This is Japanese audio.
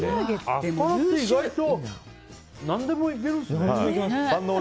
アスパラって意外と何でもいけるんですね。